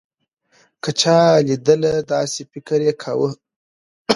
که چا لېدله داسې فکر يې کوو.